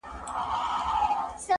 حقیقت واوره تر تا دي سم قربانه.